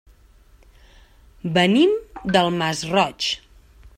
Venim del Masroig.